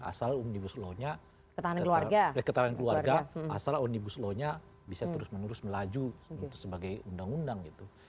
asal om dibuatnya ketahanan keluarga asal om dibuatnya bisa terus menerus melaju sebagai undang undang gitu